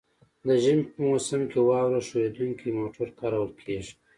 د ژمي په موسم کې واوره ښوییدونکي موټر کارول کیږي